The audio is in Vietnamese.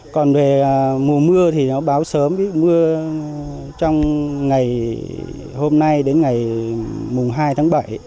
còn về mùa mưa thì nó báo sớm mưa trong ngày hôm nay đến ngày mùng hai tháng bảy